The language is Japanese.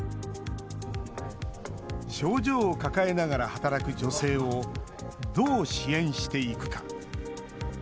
症状を抱えながら働く女性をどう支援していくか。